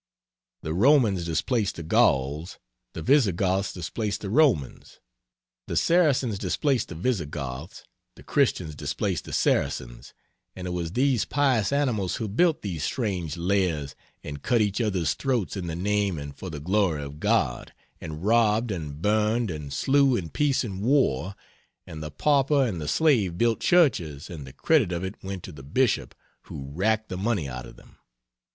The Romans displaced the Gauls, the Visigoths displaced the Romans, the Saracens displaced the Visigoths, the Christians displaced the Saracens, and it was these pious animals who built these strange lairs and cut each other's throats in the name and for the glory of God, and robbed and burned and slew in peace and war; and the pauper and the slave built churches, and the credit of it went to the Bishop who racked the money out of them.